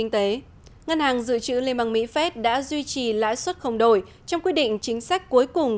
ngân hàng dự trữ liên bang mỹ fed đã duy trì lãi suất không đổi trong quy định chính sách cuối cùng